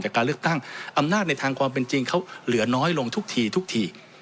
การเลือกตั้งอำนาจในทางความเป็นจริงเขาเหลือน้อยลงทุกทีทุกที